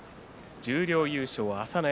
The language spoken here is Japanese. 十両優勝は朝乃山。